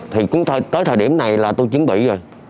thì tới thời điểm này là tôi chuẩn bị rồi